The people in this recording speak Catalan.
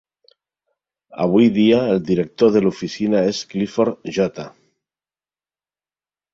Avui dia, el director de l'oficina és Clifford J.